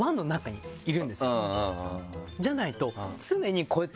じゃないと。